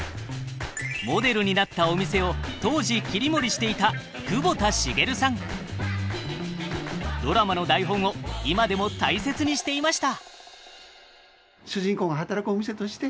モデルになったお店を当時切り盛りしていたドラマの台本を今でも大切にしていました。